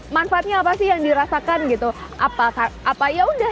manfaatnya apa sih yang dirasakan gitu apakah apakah ya sudah happy aja atau kayaknya ini membantu untuk